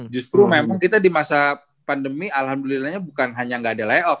justru memang kita di masa pandemi alhamdulillahnya bukan hanya gak ada lay off